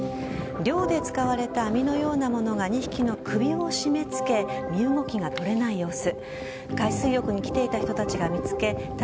漁で使われた網のようなものが２匹の首を絞め付け身動きが取れない様子。